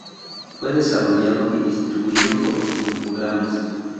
Fue desarrollado y distribuido por Infogrames.